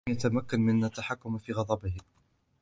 لم يتمكن من التحكم في غضبه